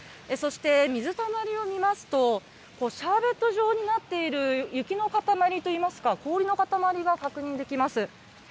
そして、水たまりを見ますと、シャーベット状になっている雪の塊といいますか、氷の塊が確認できます。